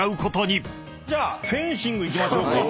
じゃあフェンシングいきましょうか。